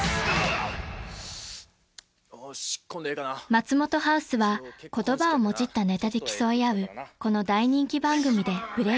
［松本ハウスは言葉をもじったネタで競い合うこの大人気番組でブレーク］